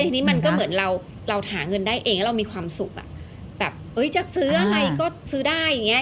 ทีนี้มันก็เหมือนเราเราหาเงินได้เองแล้วเรามีความสุขอ่ะแบบเอ้ยจะซื้ออะไรก็ซื้อได้อย่างเงี้